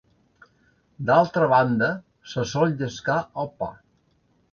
D'altra banda se sol llescar el pa.